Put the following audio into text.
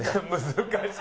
難しい！